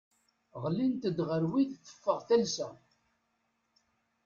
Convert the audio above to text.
Ɣlint-d ɣer wid teffeɣ talsa.